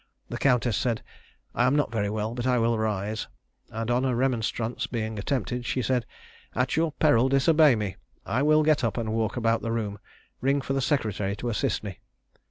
The countess said, "I am not very well, but I will rise;" and on a remonstrance being attempted, she said, "At your peril disobey me: I will get up and walk about the room; ring for the secretary to assist me."